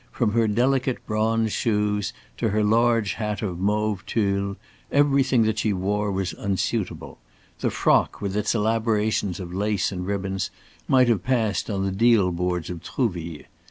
From her delicate bronze shoes to her large hat of mauve tulle everything that she wore was unsuitable. The frock with its elaborations of lace and ribbons might have passed on the deal boards of Trouville.